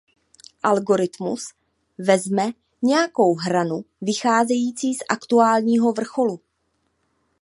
Algoritmus vezme nějakou hranu vycházející z aktuálního vrcholu.